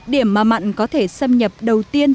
điểm mà mặn có thể xâm nhập đầu tiên